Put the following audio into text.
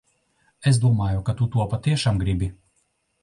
Es domāju, ka tu to patiešām gribi.